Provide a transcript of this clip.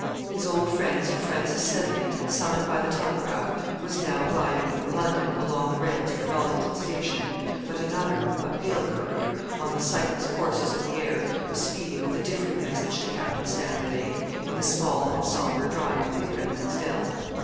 His old friend, Sir Francis Seddley, summoned by the telegraph, was now gliding from London along the rails for Dollington station; but another a pale courier on the sightless coursers of the air, was speeding with a different message to Captain Stanley Lake, in the small and sombre drawing room in Redman's Dell.